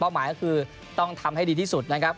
หมายก็คือต้องทำให้ดีที่สุดนะครับ